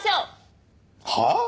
はあ！？